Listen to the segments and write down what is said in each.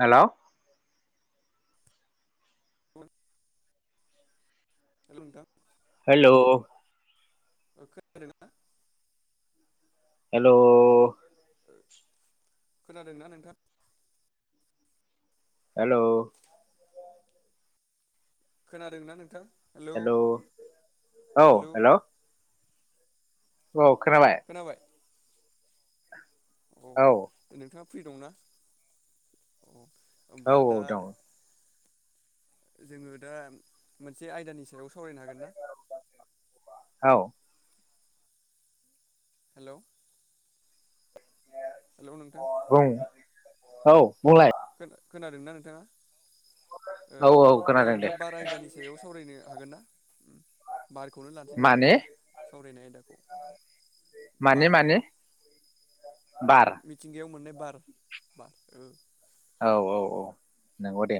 हेल' [inaudible] hello नोंथां hello खोनादों ना? हेलौ खोनादोंना नोंथां हेलौ खोनादों ना नोंथां हेलौ औ हेलौ हेल' औ खोनाबाय अ औ नोंथाङा फ्रि दंना औ ओमबा औ दा दं जोङो दा मोनसे आयदानि सायाव सावरायनो हागोन ना? औ हेलौ हेलौ नोंथां बुं औ बुंलाय खोनादोंना नोंथाङा ओ औ औ जों खोनादों दा दे बार आयदानि सायाव सावरायनो हागोन ना? बारखौनो लानोसै जों दा माने सावरायनाय आयदाखौ माने बार माने बार मिथिंगायाव मोननाय बार हु [unintelligible] ओ औ औ औ नंगौ दे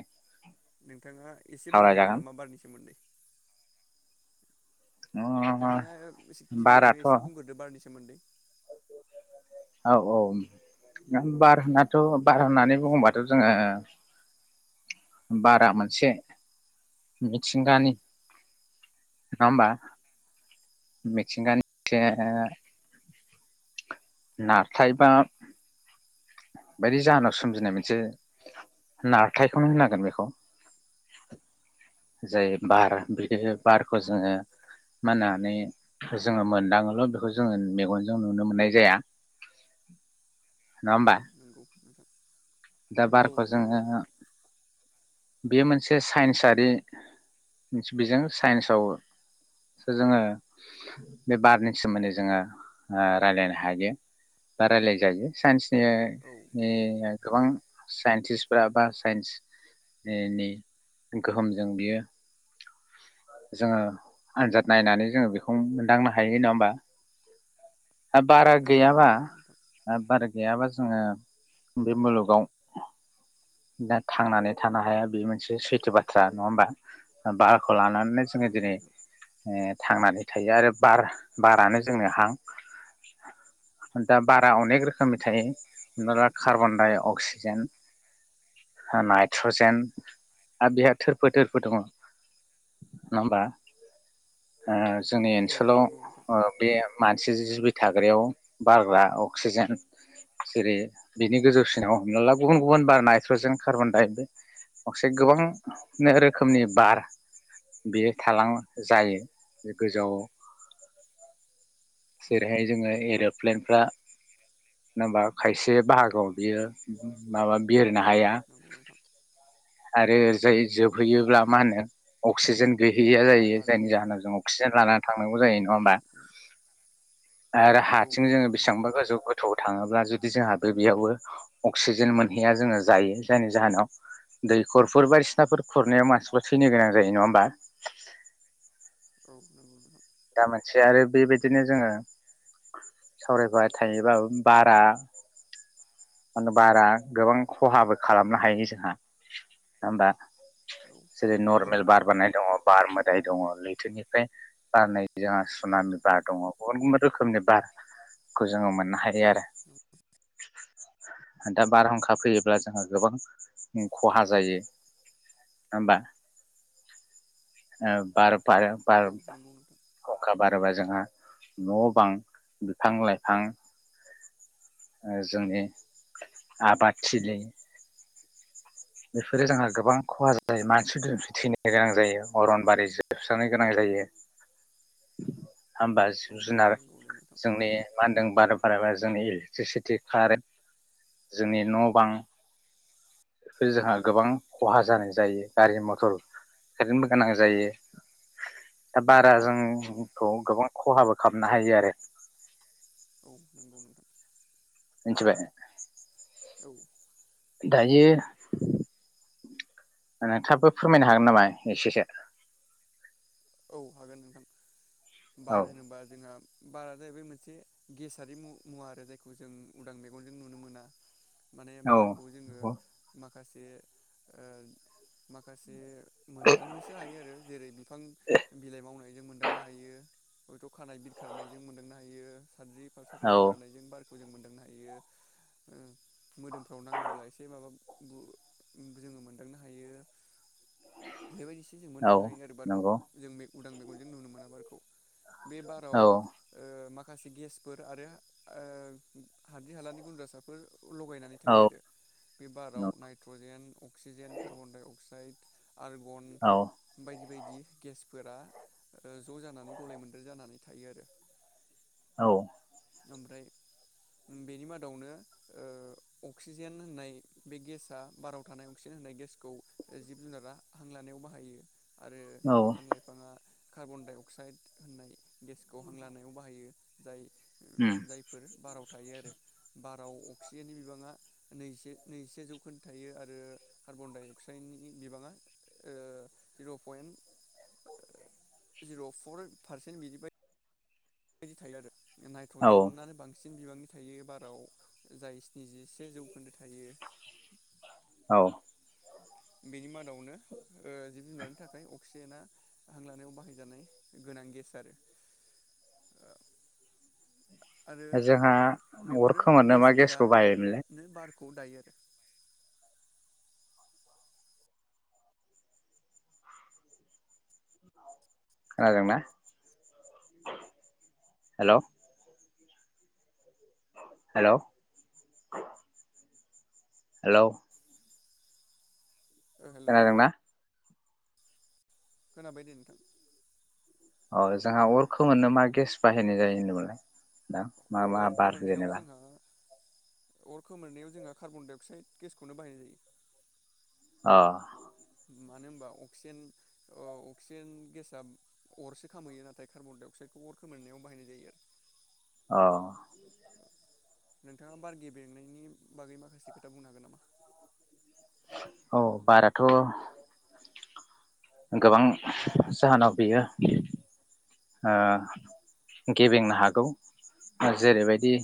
[inaudible] नोंथाङा एसे बुंनो हागोन सावरायजागोन नामा बारनि सोमोन्दै? नोंथाङा [unintelligible] इसे गिबियावनो बाराथ' औ एसे बुंग्रोदो बारनि सो मोन्दै औ औ ओम बार होननाथ' बार होननानै बुङोबाथ' जोङो बारा मोनसे मिथिंगानि नङा होमबा मिथिंगानि जे ओ नारथाइ बा बायदि जाहोनाव सोमजिनाय मोनसे नारथायखौनो होननांगोन बेखौ जाय बार बिदिनो बारखौ जोङो मोननानै जोङो मोनदांङोल' बेखौ जोङो मेगनजों नुनो मोननाय जाया नङा औ होमबा नंगौ नोंथां दा औ बारखौ नंगौ जोङो नोंथां बेयो मोनसे साइन्सारि बिजों साइन्सआवसो जोङो बे बारनि सोमोन्दै जोङो ओ रायलायनो हायो बा रायलाय जायो साइन्स औ ए [unintelligible] गोबां साइन्टिसफ्रा बा साइन्सनि नि गोहोमजों बियो जोङो आनजाद नायनानै जोङो बेखौ मोनदांनो हायो नङा होमबा ओ बारा नंगौ गैयाबा नंगौ नोंथां ओ बार गैयाबा आंङो बे मुलुगाव दा थांनानै थानो हाया बे मोनसे सैथो बाथ्रा नङा होमबा बारखौ लानानै जोंङो नंगौ दिनै नोंथां ए थांनानै थायो आरो बार बारानो जोंनो हां दा बारा अनेक रोखोमनि थायो हमना ला कार्बनडाय अक्सिजेन नाइट्रजेन आरो बेहा थोरफो थोरफो दङ नङा होमबा ओ जोंनि औ ओनसोलाव नंगौ नोंथां बे मानसि जि दै थाग्रायाव बारग्रा अक्सिजेन जेरै- बिनि गोजौ सिनाव हमना ला गुबुन गुबुन बार नाइट्रजेन कार्बनडाइ अक्साइड गोबां रोखोमनि बार बियो थालां जायो गोजौआव जेरैहाय जोङो एर'प्लेनफ्रा होनबा खायसे बाहागोआव बियो माबा बिरनो औ हाया नंगौ नोंथां आरो जाय औ जोबहैयोब्ला मा होनो अक्सिजेन गै गैया जायो बार जायनि जाहोनाव जों अक्सिजेन लानानै थांनांगौ जायो नंङा होमबा आरो औ हारसिं जोङो नंगौ नोंथां बेसेबांबा गोजौ गोथौ थाङोब्ला जुदि जोंहा बे बेयावबो अक्सिजेन मोनहैया जोङो जायो जायनि जाहोनाव दैखरफोर बायदिसिनाफोर खुरनायाव मानसिफोर थैनो गोनां जायो नङा होमबा [inaudible] मा मोनसे आरो बेबायदिनो जोङो सावरायबाय थायोबाबो बारा बारा गोबां खहाबो खालामनो हायो जोंहा ना होमबा औ जेरै औ नर्मेल बार नंगौ बारनाय नोंथां दङ बार मोदाय दङ लै बोथोरनिफ्राय बारनाय जोंहा औ सुनामि बार दङ गुबुन गुबुन रोखोमनि बारखौ जोङो मोननो औ हायो आरो दा बारहुंखा फैयोब्ला जोंहा गोबां खहा जायो नङा होमबा। ओ बार बारो बार औ नंगौ नोंथां अखाबा सोरबा जोंहा न' बां बिफां लाइफां ओ जोंनि आबादथिलि बेफोरो जोंहा गोबां खहा औ जायो मानसि दुमसि थैनो गोनां जायो अरनबारि जोबस्रांनो गोनां जायो। होमबा औ जिब जुनार नंगौ दे नोंथां जोंनि मान जों बार बारायबा जोंनि इलेक्ट्रिसिटि कारेन्ट जोंनि न' बां जोंहा गोबां खहा जानाय जायो गारि मथर कारेन्टबो गोनां जायो दा बा रा औ जोंखौ गोबां खहाबो खालामनो हायो आरो औ नंगौ नोंथां मोनथिबाय औ दायो नोंथाङाबो फोरमायनो हागोन नामा एसेसो औ हागोन नोंथां। बार औ होनोबा जोंहा बारा जाहैबाय मोनसे गेसारि मु-मुवा आरो जायखौ जों उदां मेगनजों नुनो मोना। माने औ बारखौ जोङो नंगौ मा खासे ओ माखासे मोनदांनोसो हायो आरो जेरै बिफां बिलाइ मावनायजों मोनदांनो हायो। हयथ' खानाय बिरखारनायजों मोनदांनो हायो। साद्रि फारसाफोर औ बिखारनायजों बार खौ जों मोनदांनो हायो। मोदोमफ्राव नाङोब्ला एसे माबा जोङो मोनदांनो हायो। बेबायदिसो जों मोनदांनो हायो आरो बारखौ। नंगौ उदां मेगनजों नुनो मोना बारखौ। बे बाराव औ ओ माखा माखासे गेसफोर आरो ओ हाद्रि हालानि गुन्द्रासाफोर लगायनानै थायो औ आरो बे बाराव nitrogen, oxygen, carbon dioxide, argon औ बायदि बायदि। [inaudible] गेसफोरा ओ ज' जानानै गलाय मोन्द्रेर जानानै थायो आरो। औ। ओमफ्राय बेनि मादावनो ओ अक्सिजेन होननाय बे गेसाआ बाराव थानाय अक्सिजेन होननाय गेसखौ जिब जुनारा हां लानायाव बाहायो। आरो औ बिफां लाइफाङा कार्बन डाइ अक्साइद होननाय गेसखौ हां लानायाव बाहायो। जाय उम जायफोर बारायाव थायो आरो। बाराव अक्सिजेननि बिबाङा नैजिसे नैजिसे जौखोन्दो थायो आरो कार्बन डाइ अक्साइडनि बिबाङा जिर' पइन्ट जिर' फर पारसेन्ट बिनिफाय बेबायदि थायो आरो। औ नाइट्रजेनानो बांसि न बिबांनि थायो बाराव जाय स्निजिसे जौखोन्दो थायो। औ। बेनि मादावनो ओ जिब जुनारनि थाखाय अक्सिजेना हां लानायाव बाहायजानाय गोनां गेस आरो। आरो जोंहा अर बेफोर खोमोरनो मा गेसखौ बाहायोमोनलाय? खौ दायो आरो‌। खोनादोंना हेलौ? हेलौ। हेलौ। ओ हेलौ खोनादोंना। खोनाबाय दे नोंथां। अ जोंहा अर खोमोरनो मा गेस बाहायनाय जायो होनदोंमोनलाय। दा मा मा अर बारो खोमोरनायाव जेनेबा। जोंहा अर खोमोरनायाव जोंहा कार्बनडाइ अक्साइड गेसखौनो बाहायनाय जायो। औ। मानो होनबा अक्सिजेन अक्सिजेन गेसआ अरसो खामहैयो नाथाय कार्बन डाइ अक्साइदखौ अर खोमोरनायाव बाहायनाय जायो आरो। औ। नोंथाङा बार गेब्रेंनायनि बागै माखासे खोथा बुंनो हागोन नामा। औ बाराथ'। गोबां जाहोनाव बियो ओ गेबेंनो हागौ जेरैबायदि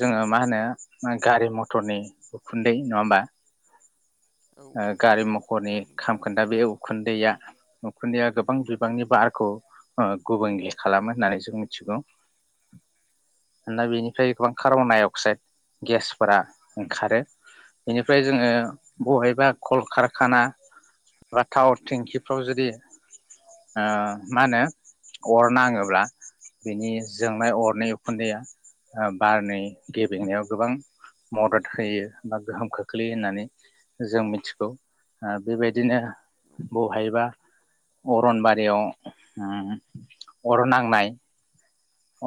जोङो मा होनो गारि मथरनि उखुन्दै नङा होमबा। औ ओ गारि म औ मथरनि नंगौ खामखोन्दा बे उखुन्दैया उखुन्दैआ गोबां बिबांनि बारखौ ओ गुबुंले खालामो होननानै जों मिथिगौ दा बेनिफ्राय गोबां कार्बन डाइ अक्साइड गेसफोरा ओंखारो बेनिफ्राय जोङो बहाय बा कल कारखाना बा टावार थेंखिफ्राव ओ जुदि मा होनो अर नाङोब्ला औ बिनि जोंनाय अरनि औ उखुन्दैया बारनै गेब्रेंनायाव गोबां मदद होयो बा गोहोम खोख्लैयो होननानै जों मिथिगौ बेबायदिनो औ बहायबा अरनबारियाव अर ओ नांनाय।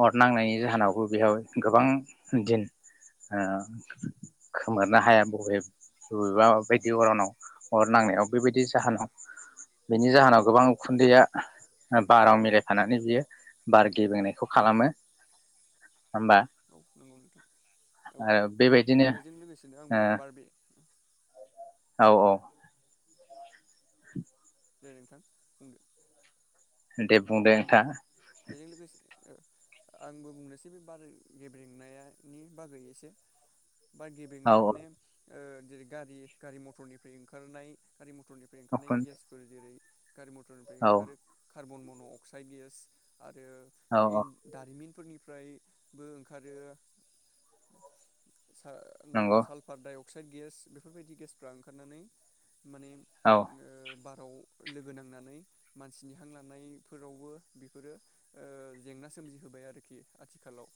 अर औ नांनायनि नंगौ जाहोनावबो नोंथां बेयाव गोबां दिन ओ खोमोरनो हाया बबे बबेबा बायदि अरनाव अर नांनायाव बेबायदि जाहोनाव बेनि जाहोनाव गोबां उखुन्दैया बाराव मिलाय फानानै बियो बार गेब्रेंनाय खालामो। औ नंगौ नोंथां औ आरो बेबायदिनो बेजों लोगोसेनो आंबो बार औ औ। [inaudible] दे नोंथां बुंदों दे बुं दे नोंथां बेजों लोगोसे आंबो बुंनोसै बे बार गेब्रेंनायनायनि बागै एसे बार औ गेबेंनाया माने ओ जेरै गारि गारि मथरनिफ्राय ओंखारनाय गारि मथर गारि मटरनिफ्राय ओंखारनाय उखुन गेसफोर जेरै गारि मथरनिफ्राय औ ओंखारो कार्बन मन' अक्साइड गेस। आरो औ औ इन दारिमिनफोरनि ओमफ्रायबो ओंखारो। नंगौ साल-साल्फार डाइ अक्साइ अक्साइड गेस बेफोर बायदि गेसफ्रा ओंखारनानै माने औ। ओ बाराव लोगो नांनानै मानसिनि हां लानायफोरावबो बे बेफोरो जेंना सोमजिहोबाय आरोखि आथिखालाव।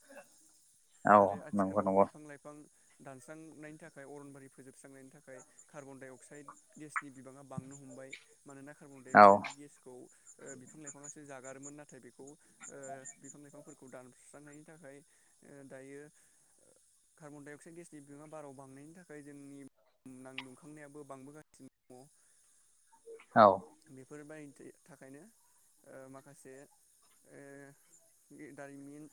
औ आरो नंगौ आथिखालाव नंगौ बिफां लाइफां दानस्रांनायनि थाखाय अरनबारि फोजोबस्रांनायनि थाखाय कार्बन- डाइ अक्साइड गेसनि बिबाङा बांनो हमबाय। मानोना कार्बन -डाइ औ -अक्साइड गेसखौ बिफां -लाइफांसो जागारोमोन नाथाय नाथाय बेखौ बिफां -लाइफांफोरखौ दानस्रांनायनि थाखाय दायो कार्बन- डाइ -अक्साइड गेसनि बिबाङा बाराव बांनायनि थाखाय जोंनि बुहुमनां दुंखांनायाबो बांबोगासिनो दङ। औ बेफोर बायदि बेफोर बायदिनि थाखायनो माखासे दारिमिन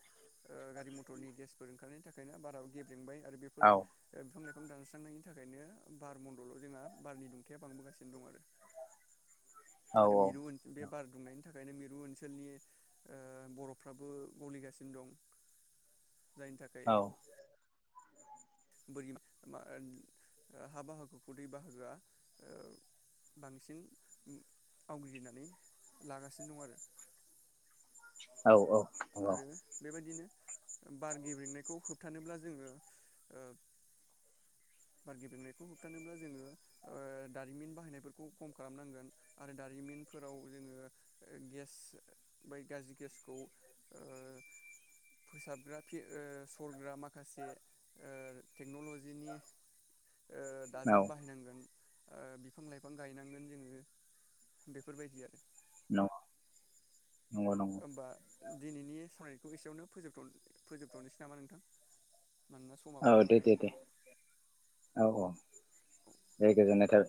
गारि मथरनि गेसफोर ओंखारनायनि थाखायनो बारा गेब्रेंबाय। आरो बेफोर औ। बिफां दानस्रांनायनि थाखायनो बार मन्दलाव जोंहा बारनि दुंथाया बांबोगासिनो दं आरो। औ आरो मिरु [unintelligible] बे बार दुंनायनि थाखायनो मिरु ओनसोलनि बरफफ्राबो गलिगासिनो दं। जायनि थाखाय औ [unintelligible] हा बाहागोखौ दै बाहागोआ बांसिन आवग्रिनानै लागासिनो दं आरो। औ -औ। आरो बेबायदिनो बार गेब्रेंनायखौ होबथानोब्ला जोङो ओ बार गेब्रेंनायखौ होबथानोब्ला जोङो दारिमिन बाहायनायफोरखौ खम खालामनांगोन। आरो दारिमिनफोराव जोङो गेस बै गाज्रि गेसखौ फोसाबग्रा सरग्रा माखासे टेक्न'लजिनि ओ नंगौ दाजेम बाहायनांगोन। ओ बिफां -लाइफां गायनांगोन जोङो बेफोरबायदि आरो [unintelligible] नंगौ ओमबा दिनैनि सारायनाय [unintelligible] एसेयावनो फोजोब- फोजोबथ'नोसै नामा? नोंथां। मानोना समाबो औ दे जाबाय दे नालाय दे औ- औ। दे गोजोन्नाय थाबाय।